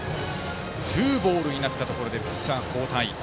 ツーボールになったところでピッチャー交代。